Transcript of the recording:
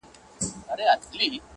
له ښكارونو به يې اخيستل خوندونه!.